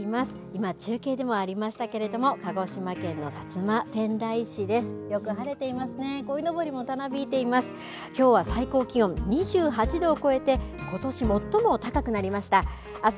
今、中継でもありましたけれども鹿児島県の薩摩川内市です。